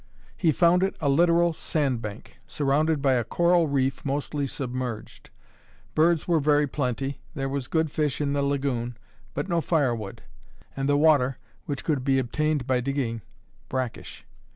He found it a literal sandbank, surrounded by a coral reef mostly submerged. Birds were very plenty, there was good fish in the lagoon, but no firewood; and the water, which could be obtained by digging, brackish.